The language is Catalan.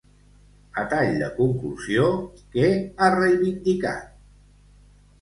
A tall de conclusió, què ha reivindicat?